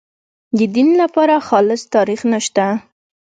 د دین لپاره خالص تاریخ نشته.